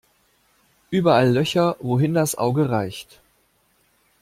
Überall Löcher, wohin das Auge auch reicht.